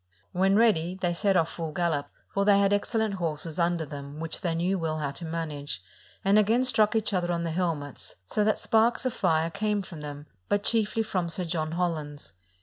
When ready, they set of! full gallop, for they had excellent horses under them, which they well knew how to manage, and again struck each other on the hel mets, so that sparks of fire came from them, but chiefly from Sir John Holland's.